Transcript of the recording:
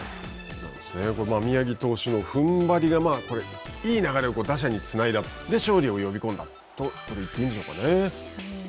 宮城投手のふんばりがいい流れを打者につないで勝利を呼び込んだといっていいんでしょうかね。